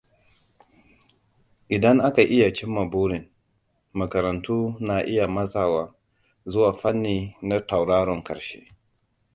Idan aka iya cimma burin, makarantu na iya masawa zuwa fanni na tauraron karshe.